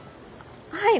はい。